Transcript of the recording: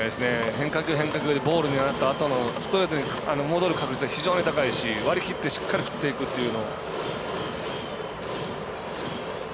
変化球、変化球でボール狙ったあとのストレートに戻る確率が非常に高いし割り切ってしっかり振っていくっていう。